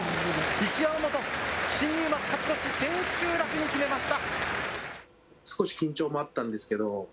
一山本、新入幕勝ち越し、千秋楽に決めました。